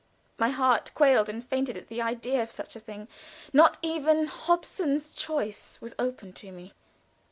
My heart quailed and fainted at the bare idea of such a thing. Not even Hobson's choice was open to me.